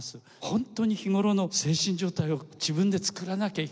本当に日頃の精神状態を自分で作らなきゃいけない。